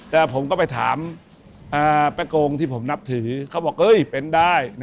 แต่ผมก็ไปถามแป๊โกงที่ผมนับถือเขาบอกเป็นได้